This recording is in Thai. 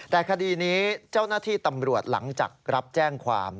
แต่คดีนี้เจ้าหน้าที่ตำรวจหลังจากรับแจ้งความ